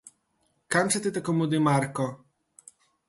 Kam se ti tako mudi, Marko?